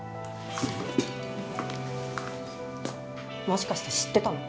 もしかして知ってたの？